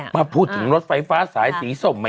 มาพูดถึงรถไฟฟ้าสายสีส้มใหม่